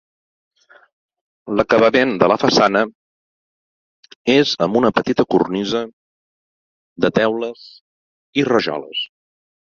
L'acabament de la façana és amb una petita cornisa de teules i rajoles.